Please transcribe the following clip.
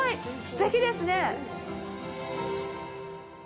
すてきですね。